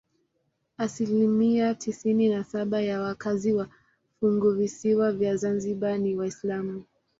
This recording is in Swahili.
Asilimia tisini na saba ya wakazi wa funguvisiwa vya Zanzibar ni Waislamu.